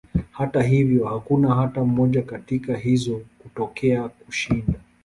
Hata hivyo, hakuna hata moja katika hizo kutokea kushinda.